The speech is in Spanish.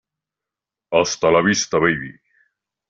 Hasta La Vista Baby!